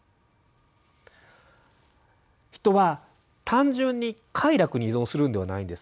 人は単純に快楽に依存するんではないんです。